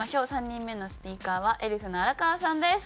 ３人目のスピーカーはエルフの荒川さんです。